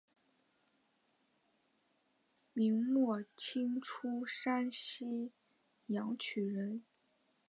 明末清初山西阳曲人。